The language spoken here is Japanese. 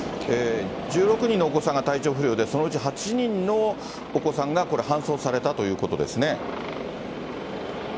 １６人のお子さんが体調不良で、そのうち８人のお子さんが搬送されたということですね。